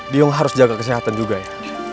diung harus jaga kesehatan juga ya